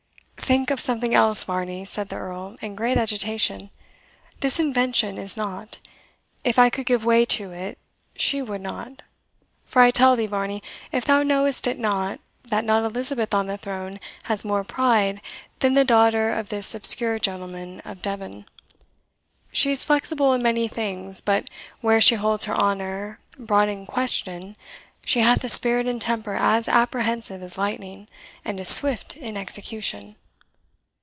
"Think of something else, Varney," said the Earl, in great agitation; "this invention is nought. If I could give way to it, she would not; for I tell thee, Varney, if thou knowest it not, that not Elizabeth on the throne has more pride than the daughter of this obscure gentleman of Devon. She is flexible in many things, but where she holds her honour brought in question she hath a spirit and temper as apprehensive as lightning, and as swift in execution."